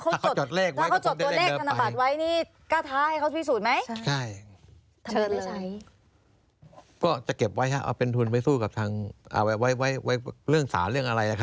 ถ้าสมมุติเขาจดเลขการณบัตรไว้ก็ท้าให้เขาพิสูจน์ไหม